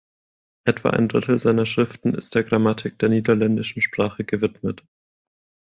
Etwa ein Drittel seiner Schriften ist der Grammatik der niederländischen Sprache gewidmet.